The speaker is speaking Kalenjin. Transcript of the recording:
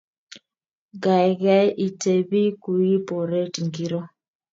geigei itebee kuip oret ngiro